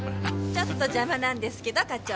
ちょっと邪魔なんですけど課長さん。